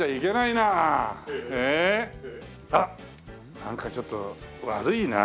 なんかちょっと悪いなあ。